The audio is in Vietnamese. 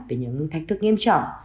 với những thách thức nghiêm trọng